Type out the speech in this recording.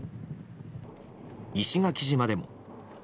石垣島でも。